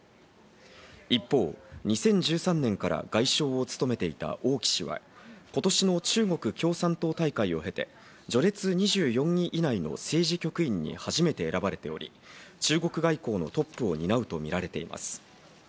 一方、２０１３年から外相を務めていたオウ・キ氏は、今年の中国共産党大会を経て、序列２４位以内の政治局員に初めて選ばれており、中国外交のトップを担うとみられています。